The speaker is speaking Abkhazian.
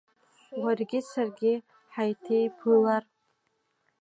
Уаргьы саргьы ҳаиҭеиԥылар?